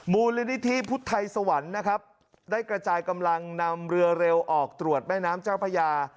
มูลนิธิพุทธไทยสวรรค์นะครับได้กระจายกำลังนำเรือเร็วออกตรวจแม่น้ำเจ้าพญา